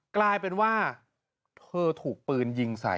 กลายเป็นว่าเธอถูกปืนยิงใส่